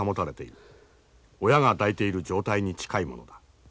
親が抱いている状態に近いものだ。